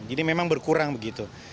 jadi memang berkurang begitu